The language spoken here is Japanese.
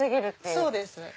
そうです。